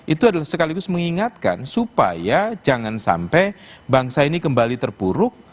itu adalah sekaligus mengingatkan supaya jangan sampai bangsa ini kembali terpuruk